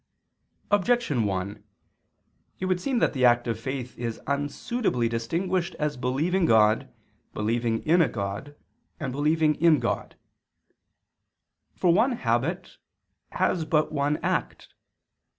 Objection 1: It would seem that the act of faith is unsuitably distinguished as believing God, believing in a God, and believing in God. For one habit has but one act.